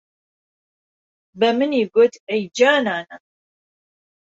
بەمنی گوت ئەی جانانه